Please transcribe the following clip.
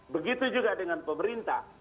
begitu juga dengan pemerintah